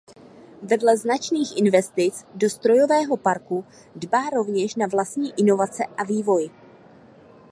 Vedle značných investic do strojového parku dbá rovněž na vlastní inovace a vývoj.